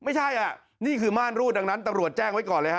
ไม่ใช่อ่ะนี่คือม่านรูดดังนั้นตำรวจแจ้งไว้ก่อนเลยฮ